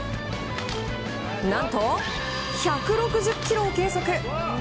何と１６０キロを計測。